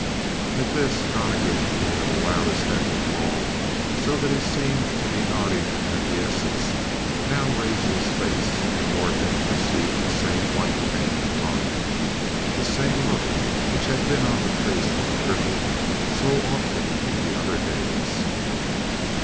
At this Donnegan, who had allowed his head to fall, so that he seemed to be nodding in acquiescence, now raised his face and Lord Nick perceived the same white pain upon it. The same look which had been on the face of the cripple so often in the other days.